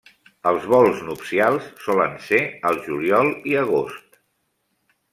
Els vols nupcials solen ser al juliol i agost.